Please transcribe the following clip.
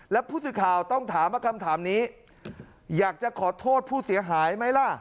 แล้วผู้สื่อข่าวต้องถามว่าคำถามนี้อยากจะขอโทษผู้เสียหายไหมล่ะ